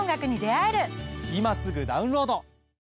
今すぐダウンロード！